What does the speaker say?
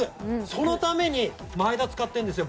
そのために、前田使ってるんですよ